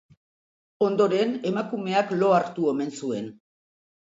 Ondoren, emakumeak lo hartu omen zuen.